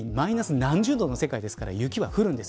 何十度の世界ですから雪が降るんです。